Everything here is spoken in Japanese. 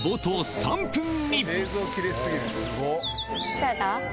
疲れた？